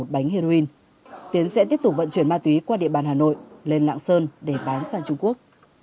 bánh heroin tiến sẽ tiếp tục vận chuyển ma túy qua địa bàn hà nội lên lạng sơn để bán sang trung quốc